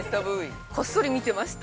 ◆こっそり見てました。